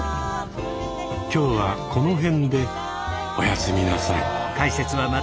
今日はこの辺でおやすみなさい。